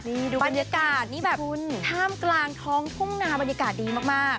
นี่ดูบรรยากาศนี่แบบท่ามกลางท้องทุ่งนาบรรยากาศดีมาก